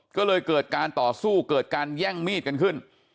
ก็เลยเกิดการต่อสู้เกิดการแย่งมีดกันขึ้น